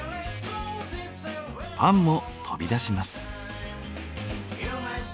パンも飛び出します。